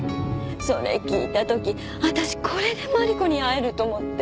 それ聞いた時私これでマリコに会えると思って。